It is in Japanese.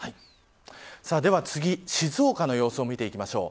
では次、静岡の様子を見ていきましょう。